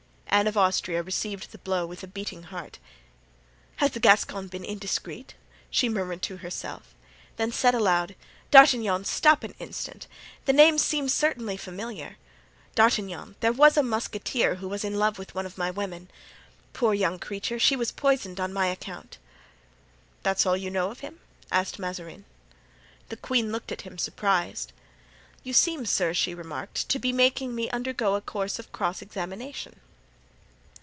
Anne of Austria received the blow with a beating heart. "Has the Gascon been indiscreet?" she murmured to herself, then said aloud: "D'Artagnan! stop an instant, the name seems certainly familiar. D'Artagnan! there was a musketeer who was in love with one of my women. Poor young creature! she was poisoned on my account." "That's all you know of him?" asked Mazarin. The queen looked at him, surprised. "You seem, sir," she remarked, "to be making me undergo a course of cross examination."